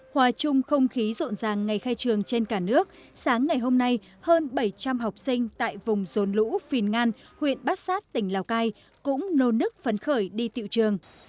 hòa chung không khí rộn ràng ngày khai trường trên cả nước sáng ngày hôm nay hơn bảy trăm linh học sinh tại vùng rồn lũ phìn ngan huyện bát sát tỉnh lào cai cũng nôn nức phấn khởi đi tiệu trường